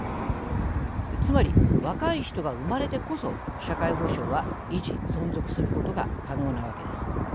つまり、若い人が産まれてこそ社会保障は維持・存続することが可能なわけです。